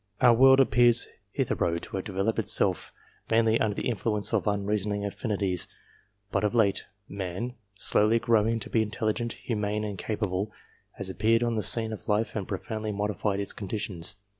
Our world appears hitherto to have developed itself, NATURAL ABILITY OF NATIONS 339 mainly under the influence of unreasoning affinities ; but of late, Man, slowly growing to be intelligent, humane, and capable, has appeared on the scene of life and profoundly modified its conditions.